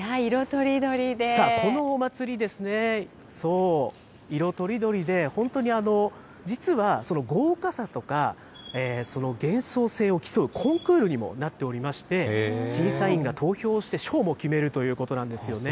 このおまつりですね、そう、色とりどりで、本当に実は豪華さとか、幻想性を競うコンクールにもなっておりまして、審査員が投票して賞も決めるということなんですよね。